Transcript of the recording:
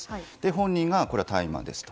本人が、これは大麻ですと。